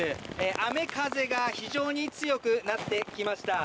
雨風が非常に強くなってきました。